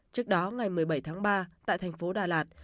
trước đó ngày một mươi bảy tháng ba tại thành phố đà lạt